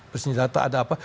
pesenjata ada apa